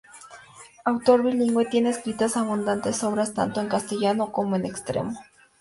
Autor bilingüe, tiene escritas abundantes obras tanto en castellano como en extremeño.